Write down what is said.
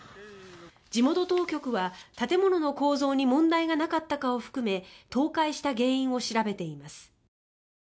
地元当局は建物の構造に問題がなかったかを含め倒壊した原因を調べています。